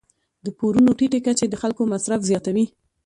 د پورونو ټیټې کچې د خلکو مصرف زیاتوي.